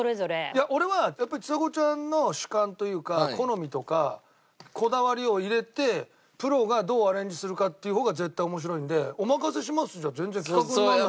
いや俺はやっぱちさ子ちゃんの主観というか好みとかこだわりを入れてプロがどうアレンジするかっていう方が絶対面白いんでお任せしますじゃ全然企画にならないから。